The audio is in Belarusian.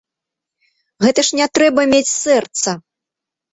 Гэта ж не трэба мець сэрца!